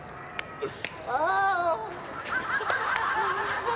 よし。